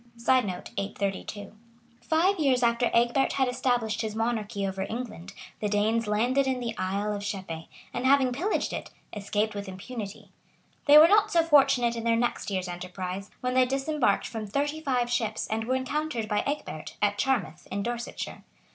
[Sidenote: 832] Five years after Egbert had established his monarchy over England, the Danes landed in the Isle of Shepey, and having pillaged it, escaped with impunity.[] They were not so fortunate in their next year's enterprise, when they disembarked from thirty five ships, and were encountered by Egbert, at Charmouth, in Dorsetshire.